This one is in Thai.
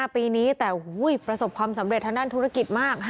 ปีนี้แต่ประสบความสำเร็จทางด้านธุรกิจมาก